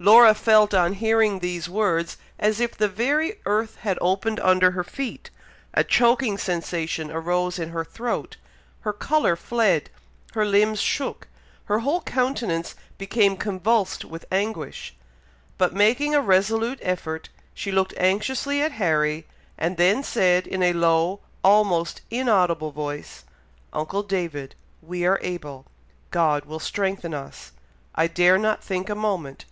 Laura felt, on hearing these words, as if the very earth had opened under her feet, a choking sensation arose in her throat, her colour fled, her limbs shook, her whole countenance became convulsed with anguish, but making a resolute effort, she looked anxiously at Harry, and then said, in a low, almost inaudible voice, "Uncle David! we are able, God will strengthen us. I dare not think a moment.